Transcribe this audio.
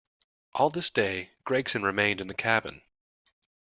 All this day Gregson remained in the cabin.